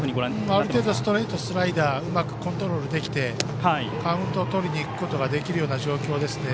ある程度ストレートとスライダーをうまくコントロールできてカウントをとりにいくことができるような状況ですね。